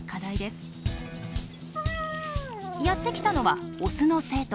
やって来たのはオスの生徒。